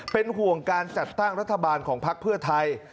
เป็นห่วงการจัดตั้งรัฐบาลของพักเพื่อไทย